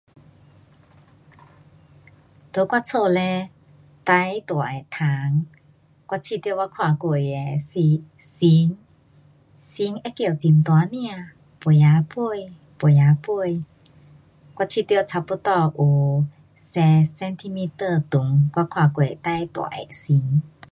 在我家嘞，最大的虫，我觉得我看过的是蝉，蝉会叫很大声，飞呀飞，飞呀飞，我觉得差不多有十 centimetre 长，我看过最大的蝉。